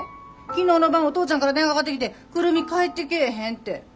昨日の晩お父ちゃんから電話かかってきて久留美帰ってけえへんて。